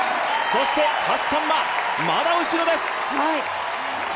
そしてハッサンはまだ後ろです。